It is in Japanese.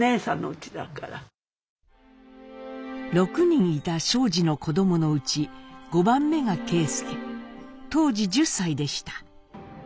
６人いた正治の子どものうち５番目が啓介当時１０歳でした。